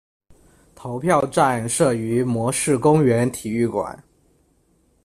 投票站设于摩士公园体育馆。